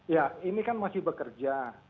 ya ini kan masih bekerja